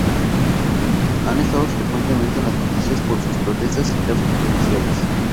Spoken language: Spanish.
Han estado frecuentemente en las noticias por sus protestas y casos judiciales.